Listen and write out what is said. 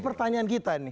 pertanyaan kita nih